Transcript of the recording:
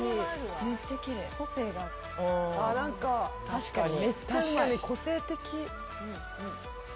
確かに個性的。